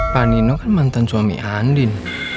pak nino kan mantan suami andin